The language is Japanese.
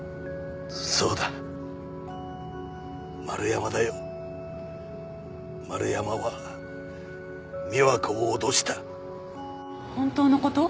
そうだ丸山だよ丸山は美和子を脅した本当のこと？